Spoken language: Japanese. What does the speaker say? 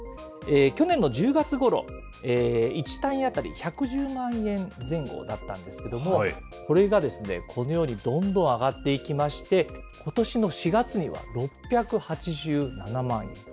去年の１０月ごろ、１単位当たり１１０万円前後だったんですけれども、これがですね、このようにどんどん上がっていきまして、ことしの４月には６８７万円。